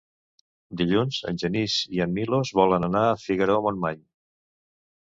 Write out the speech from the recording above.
Dilluns en Genís i en Milos volen anar a Figaró-Montmany.